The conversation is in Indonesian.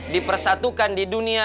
dipersatukan di dunia